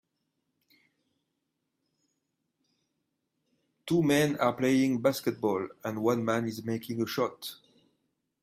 Two men are playing basketball, and one man is making a shot.